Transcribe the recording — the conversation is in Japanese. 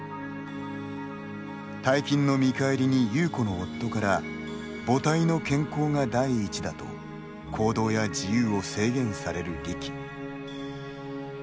大金の見返りに、悠子の夫から母体の健康が第一だと行動や自由を制限されるリキ。